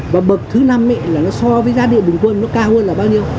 và bậc thứ năm thì nó so với giá điện bình quân thì nó cao hơn là ba mươi chín